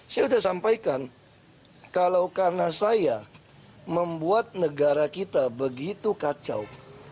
saya sudah sampaikan kalau karena saya membuat negara kita begitu kacau